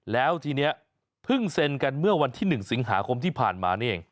แล้วทีนี้เพิ่งเซ็นกันเมื่อวันที่๑สิงหาคมที่ผ่านมานี่เอง